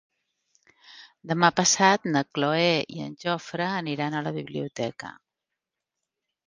Demà passat na Cloè i en Jofre aniran a la biblioteca.